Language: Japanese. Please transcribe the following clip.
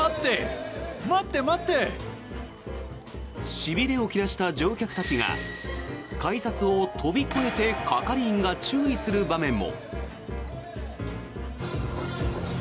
しびれを切らした乗客たちが改札を飛び越えて係員が注意する場面も。